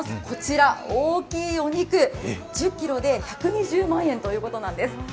こちら、大きいお肉、１０ｋｇで１２０万円ということです。